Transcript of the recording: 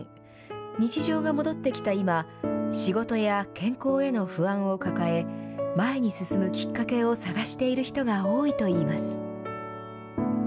日常が戻ってきた今、仕事や健康への不安を抱え、前に進むきっかけを探している人が多いといいます。